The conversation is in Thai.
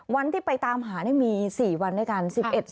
วันที่ไปตามหามี๔วันด้วยกัน